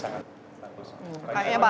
kayaknya pak amang ini apa